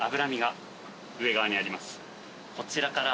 こちらから。